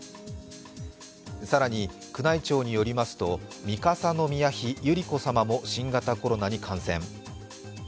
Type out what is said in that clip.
更に、宮内庁によりますと、三笠宮妃・百合子さまも新型コロナに感染。